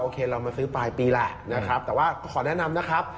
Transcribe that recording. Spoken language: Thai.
โอเคเรามาซื้อไปปีแหละนะครับแต่ว่าขอแนะนำนะครับ